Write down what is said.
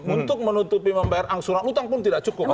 untuk menutupi membayar angsuran utang pun tidak cukup